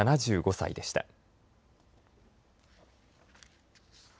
７５歳でした。